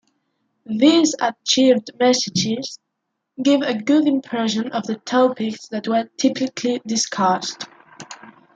These archived messages give a good impression of the topics that were typically discussed.